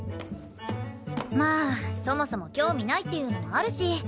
まあそもそも興味ないっていうのもあるし。